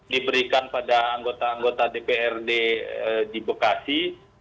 diberikan pada anggota anggota dprd di bekasi